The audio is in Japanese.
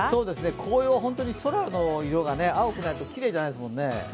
紅葉は空の色が青くないときれいじゃないですもんね。